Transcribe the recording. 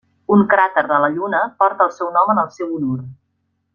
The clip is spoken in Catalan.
Un cràter de la Lluna porta el seu nom en el seu honor.